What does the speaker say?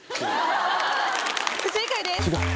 不正解です。